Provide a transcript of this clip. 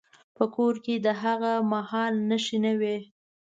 په کور کې د هغه مهال نښې نه وې.